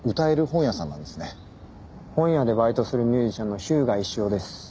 本屋でバイトするミュージシャンの日向石雄です。